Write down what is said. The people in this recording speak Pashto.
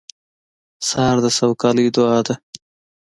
سهار د سوکالۍ دعا ده.